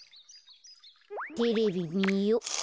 テレビみよ。